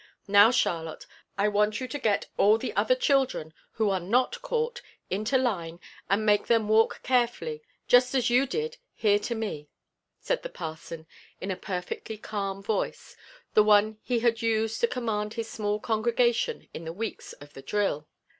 "Now, Charlotte, I want you to get all the other children who are not caught into line and make them walk carefully, just as you did here to me," said the parson in a perfectly calm voice, the one he had used to command his small congregation in the weeks of the drill.